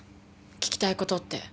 聞きたい事って。